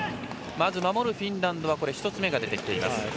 まず、守るフィンランドは１つ目が出てきています。